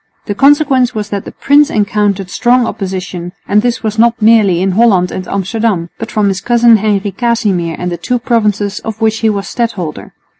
The consequence was that the prince encountered strong opposition, and this not merely in Holland and Amsterdam, but from his cousin Henry Casimir and the two provinces of which he was stadholder.